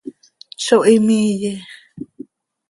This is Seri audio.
Zo him iiye.